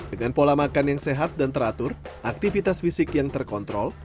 dengan pola makan yang sehat dan teratur aktivitas fisik yang terkontrol